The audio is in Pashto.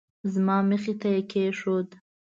زما مخې ته یې کېښود.